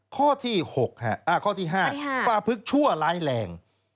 ข้อที่หกข้อที่ห้าประพึกชั่วร้ายแรง